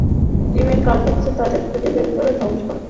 টিমের কাজ হচ্ছে তাদের খুঁজে বের করে ধ্বংস করা।